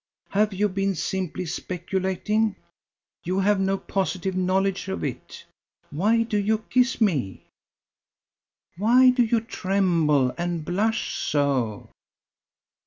Have you been simply speculating? You have no positive knowledge of it! Why do you kiss me?" "Why do you tremble and blush so?"